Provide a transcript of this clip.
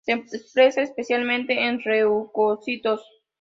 Se expresa específicamente en leucocitos.